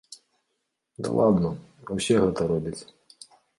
Ды ладна, усе гэта робяць.